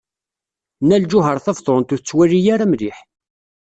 Nna Lǧuheṛ Tabetṛunt ur tettwali ara mliḥ.